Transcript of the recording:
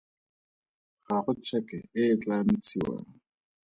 Ga go tšheke e e tla ntshiwang.